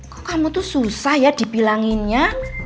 kok kamu tuh susah ya dibilanginnya